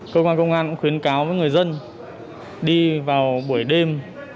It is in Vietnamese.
cơ quan công an cũng khuyến cáo với người dân đi vào buổi đêm